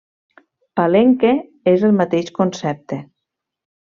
Palenque és el mateix concepte.